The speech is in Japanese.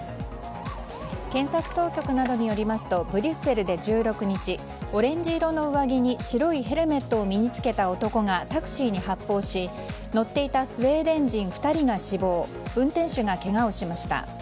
検察当局などによりますとブリュッセルで１６日オレンジ色の上着に白いヘルメットを身に付けた男がタクシーに発砲し乗っていたスウェーデン人２人が死亡運転手がけがをしました。